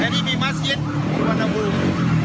แค่นี้มีมาสเย็นมีวันธวง